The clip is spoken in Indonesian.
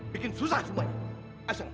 bikin susah semuanya